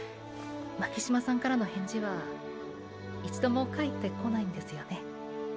巻島さんからの返事は一度も返ってこないんですよね。